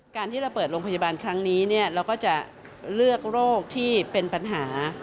การที่เราเปิดโรงพยาบาลครั้งนี้เราก็จะเลือกโรคที่เป็นปัญหา